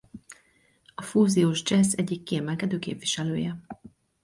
A fúziós dzsessz egyik kiemelkedő képviselője.